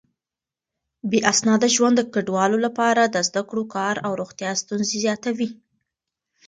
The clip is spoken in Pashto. بې اسناده ژوند د کډوالو لپاره د زده کړو، کار او روغتيا ستونزې زياتوي.